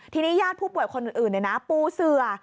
ทีนี้ญาติผู้ป่วยคนอื่นปูเสือ